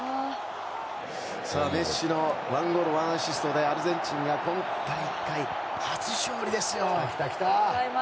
メッシの１ゴール１アシストでアルゼンチンが今大会初勝利ですよ。